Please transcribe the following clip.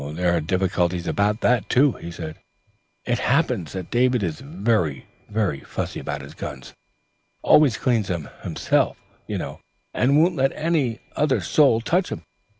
"There are difficulties about that," he said. "It happens that David is very fussy about his guns, always cleans them himself, you know, and won't let another soul touch 'em.